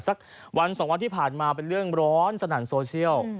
สักวันสองวันที่ผ่านมาเป็นเรื่องร้อนสนั่นโซเชียล